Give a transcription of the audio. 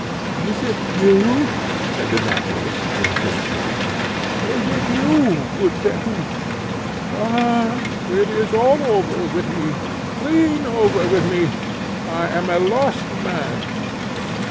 "Is it you?" said the naturalist, in a faint voice "Is it you, good Pepusch? Ah! it is all over with me clean over with me I am a lost man!